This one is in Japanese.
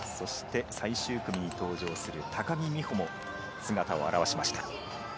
そして最終組に登場する高木美帆も姿を現しました。